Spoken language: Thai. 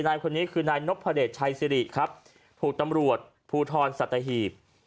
นายคนนี้คือนายนพเดชชัยสิริครับถูกตำรวจภูทรสัตหีบ